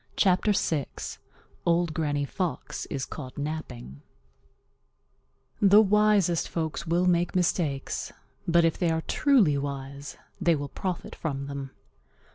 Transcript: CHAPTER VI Old Granny Fox Is Caught Napping The wisest folks will make mistakes, but if they are truly wise they will profit from them.